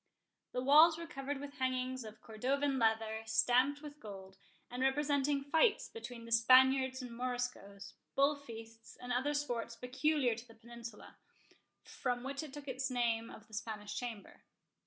The walls were covered with hangings of cordovan leather, stamped with gold, and representing fights between the Spaniards and Moriscoes, bull feasts, and other sports peculiar to the Peninsula, from which it took its name of the Spanish Chamber.